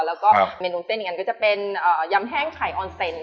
แล้วก็เมนูเส้นอย่างนั้นก็จะเป็นยำแห้งไข่ออนเซ็น